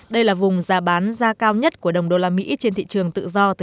đây là vùng giá bán giá cao nhất của đồng đô la mỹ trên thị trường tự do